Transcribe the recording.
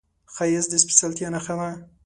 ښایست د سپېڅلتیا نښه ده